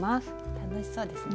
楽しそうですね。